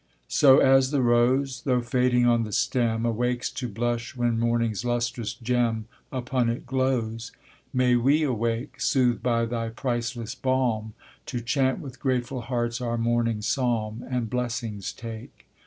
So as the rose Though fading on the stem Awakes to blush when morning's lustrous gem Upon it glows; May we awake, Soothed by Thy priceless balm, To chant with grateful hearts our morning psalm, And blessings take.